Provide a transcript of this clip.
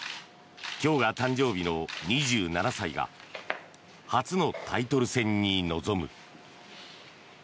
今日が誕生日の２７歳が初のタイトル戦に臨む。